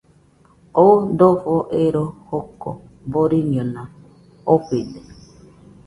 Oo dofo ero joko boriñona ofide.